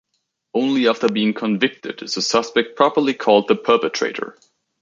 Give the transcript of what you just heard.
Only after being convicted is the suspect properly called the perpetrator.